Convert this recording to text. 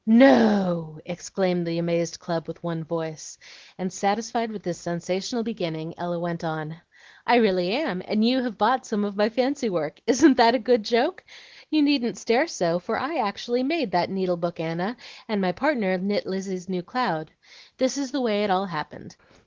"No!" exclaimed the amazed club with one voice; and, satisfied with this sensational beginning Ella went on. "I really am, and you have bought some of my fancy work. Isn't that a good joke? You needn't stare so, for I actually made that needle book, Anna, and my partner knit Lizzie's new cloud. This is the way it all happened.